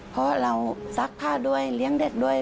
เพราะเราซักผ้าด้วยเลี้ยงเด็กด้วย